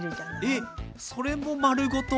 え⁉それも丸ごと？